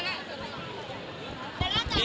สวัสดีค่ะ